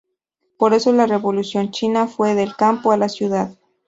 Por eso la Revolución China fue del campo a la ciudad.